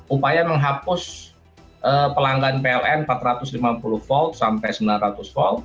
upaya menghapus pelanggan pln empat ratus lima puluh volt sampai sembilan ratus volt